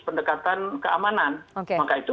pendekatan keamanan maka itu